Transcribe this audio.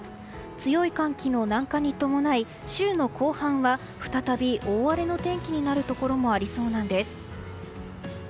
強い寒気の南下に伴い週の後半は再び大荒れの天気になるところもありそうなんです。